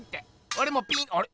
おれもピーあれ？